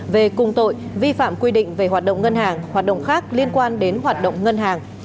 về cùng tội vi phạm quy định về hoạt động ngân hàng hoạt động khác liên quan đến hoạt động ngân hàng